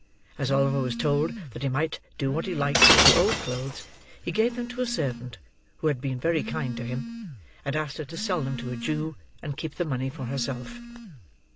As Oliver was told that he might do what he liked with the old clothes, he gave them to a servant who had been very kind to him, and asked her to sell them to a Jew, and keep the money for herself.